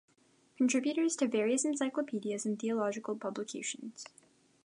Contributor to various encyclopedias and theological publications